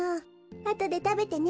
あとでたべてね。